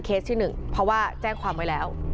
มีเคสที่หนึ่งเพราะว่าแจ้งความไว้แล้ว